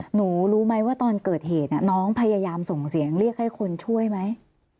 หนูรู้ไหมว่าตอนเกิดเหตุน้องพยายามส่งเสียงเรียกให้คนช่วยไหม